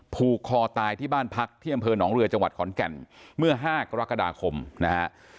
ผูกคอตายที่บ้านพักที่อำเภอหนองเรือจังหวัดขอนแก่นเมื่อ๕กรกฎาคมนะฮะ